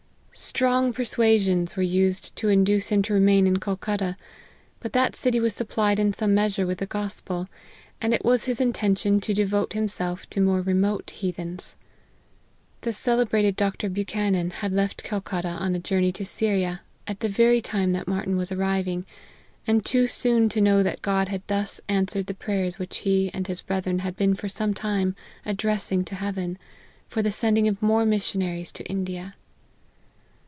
Strong persuasions were used to induce him to remain in Calcutta, but that city was sup plied in some measure with the gospel, and it was his intention to devote himself to more remote hea thens. The celebrated Dr. Buchanan had left Calcutta on a journey to Syria, at the very time of Martyn's arrival, and too soon to know that God had thus answered the prayers which he and his brethren had been for some time addressing to heaven, for the sending of more missionaries to India.